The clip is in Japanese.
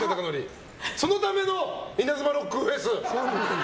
そのためのイナズマロックフェス？